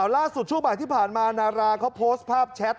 ช่วงบ่ายที่ผ่านมานาราเขาโพสต์ภาพแชท